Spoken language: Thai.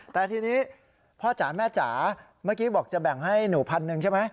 แต่ทีนี้พ่อจ๋าแม่จ๋าเมื่อกี้บอกจะแบ่งให้หนูพันหนึ่งใช่ไหม